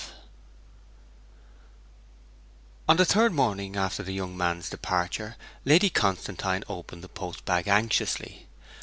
V On the third morning after the young man's departure Lady Constantine opened the post bag anxiously.